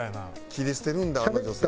切り捨てるんだあの女性。